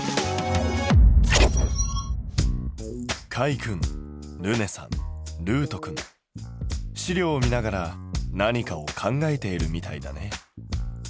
カイ君ルネさんるうと君資料を見ながら何かを考えているみたいだね。